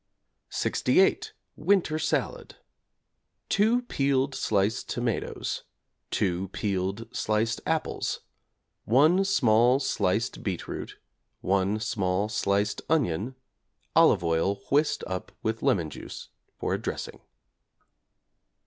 =68. Winter Salad= 2 peeled, sliced tomatoes, 2 peeled, sliced apples, 1 small sliced beetroot, 1 small sliced onion, olive oil whisked up with lemon juice for a dressing.